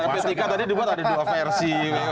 p tiga tadi dibuat ada dua versi